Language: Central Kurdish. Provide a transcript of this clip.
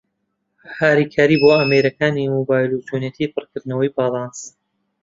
هاریکارى بۆ ئامێرەکانى مۆبایل و چۆنیەتى پڕکردنەوەى باڵانس